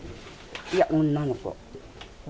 いや、女の子。